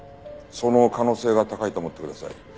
その可能性が高いと思ってください。